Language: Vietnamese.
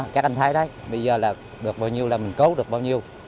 các anh thấy đấy bây giờ là được bao nhiêu là mình cứu được bao nhiêu